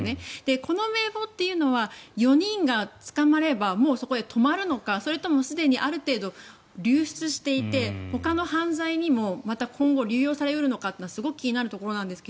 この名簿というのは４人が捕まればもうそこで止まるのかそれともすでにある程度、流出していてほかの犯罪にも、また今後流用され得るのかというのはすごく気になるところですが。